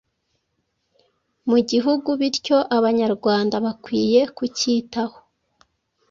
mu gihugu bityo Abanyarwanda bakwiye kucyitaho